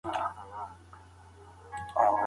پروژه د ښځو ملاتړ هم کوي.